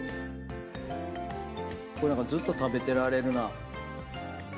これずっと食べてられるな。